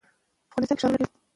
موږ غواړو چې زده کوونکي بریالي سي.